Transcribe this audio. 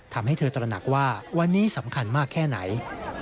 ทำให้เธอตระหนักว่าวันนี้สำคัญมากแค่ไหน